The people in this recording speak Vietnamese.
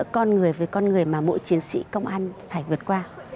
con người mà mỗi chiến sĩ công an phải vượt qua